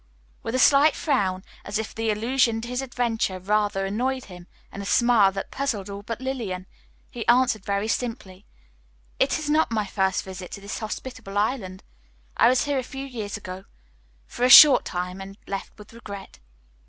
With a slight frown, as if the allusion to his adventure rather annoyed him, and a smile that puzzled all but Lillian, he answered very simply, "It is not my first visit to this hospitable island. I was here a few years ago, for a short time, and left with regret."